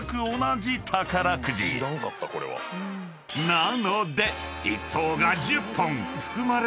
［なので］